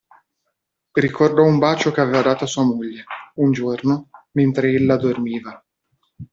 Ricordò un bacio che aveva dato a sua moglie, un giorno, mentre ella dormiva.